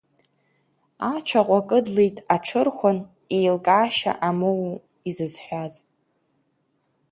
Ацәаҟәа кыдлеит аҽырхәан, еилкаашьа амоуа изызҳәаз.